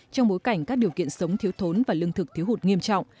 trong bối cảnh các điều kiện sống thiếu thốn và lương thực thiếu hụt nghiêm trọng